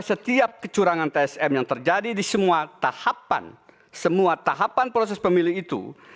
setiap kecurangan tsm yang terjadi di semua tahapan proses pemilu itu